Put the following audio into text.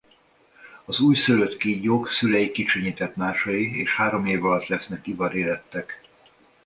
Az újszülött kígyók szüleik kicsinyített másai és három év alatt lesznek ivarérettek.